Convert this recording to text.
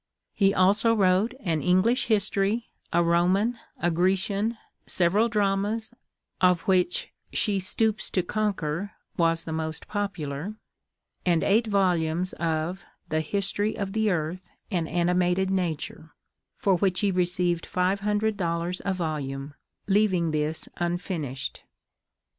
He also wrote an English History, a Roman, a Grecian, several dramas, of which "She Stoops to Conquer" was the most popular, and eight volumes of the "History of the Earth and Animated Nature," for which he received five hundred dollars a volume, leaving this unfinished.